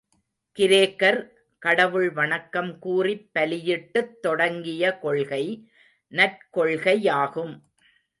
கிரேக்கர் கடவுள் வணக்கம் கூறிப் பலியிட்டுத் தொடங்கிய கொள்கை நற்கொள்கை யாகும்.